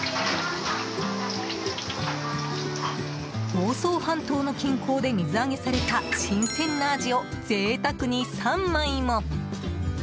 房総半島の近郊で水揚げされた新鮮なアジを贅沢に３枚も。